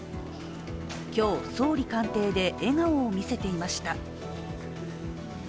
今日、総理官邸で笑顔を見せていました。